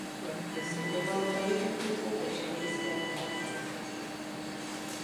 Vystudoval polytechniku ve Štýrském Hradci.